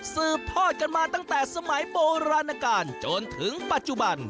สืบทอดกันมาตั้งแต่สมัยโบราณการจนถึงปัจจุบัน